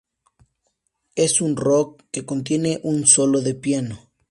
Es un rock, que contiene un solo de piano.